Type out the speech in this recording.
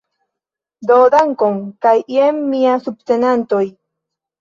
Do dankon kaj jen mia subtenantoj